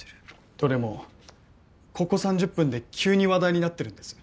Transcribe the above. どれもここ３０分で急に話題になってるんです。